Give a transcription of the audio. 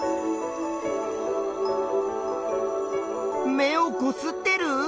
目をこすってる？